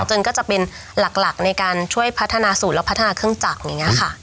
จนก็จะเป็นหลักในการช่วยพัฒนาสูตรและพัฒนาเครื่องจักรอย่างนี้ค่ะ